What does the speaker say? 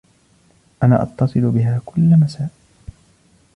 أنا أتصِل بها كُل مساء.